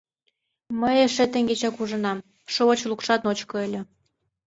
— Мый эше теҥгечак ужынам: шовыч лукшат ночко ыле.